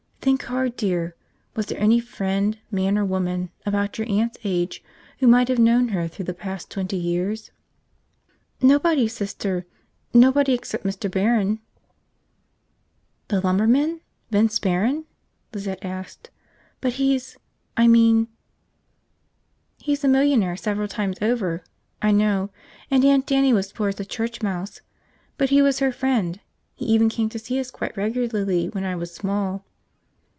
Think hard, dear. Was there any friend, man or woman, about your aunt's age who might have known her through the past twenty years?" "Nobody, Sister. Nobody except Mr. Barron." "The lumberman? Vince Barron?" Lizette asked. "But he's. .. I mean ..." "He's a millionaire several times over. I know. And Aunt Dannie was poor as a church mouse. But he was her friend. He even came to see us quite regularly when I was small."